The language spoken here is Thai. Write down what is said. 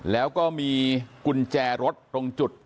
แล้วก็มีกุญแจรถตรงจุด